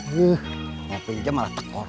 wih ngaku hija malah takor